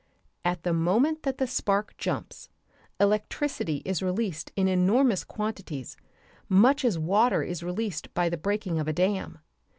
At the moment that the spark jumps, electricity is released in enormous quantities much as water is released by the breaking of a dam.